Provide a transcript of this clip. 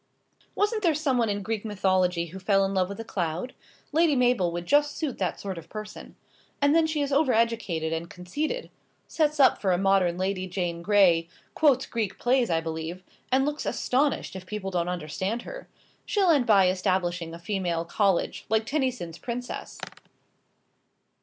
"Wasn't there someone in Greek mythology who fell in love with a cloud? Lady Mabel would just suit that sort of person. And then she is over educated and conceited; sets up for a modern Lady Jane Grey, quotes Greek plays, I believe, and looks astounded if people don't understand her. She'll end by establishing a female college, like Tennyson's princess."